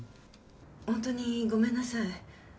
ほんとにごめんなさい。